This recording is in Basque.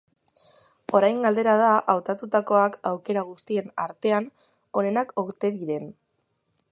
Orain galdera da hautatutakoak aukera guztien artean onenak ote diren?